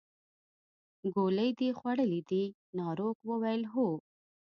ګولۍ دې خوړلې دي ناروغ وویل هو.